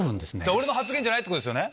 俺の発言じゃないってことですね？